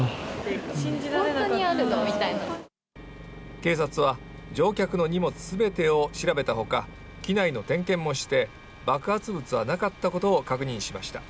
警察は乗客の荷物全てを調べたほか機内の点検もして、爆発物はなかったことを確認しました。